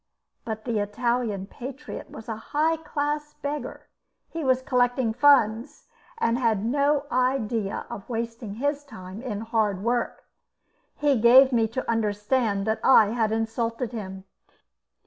But the Italian patriot was a high class beggar; he was collecting funds, and had no idea of wasting his time in hard work. He gave me to understand that I had insulted him.